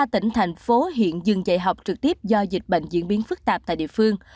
ba tỉnh thành phố hiện dừng dạy học trực tiếp do dịch bệnh diễn biến phức tạp tại địa phương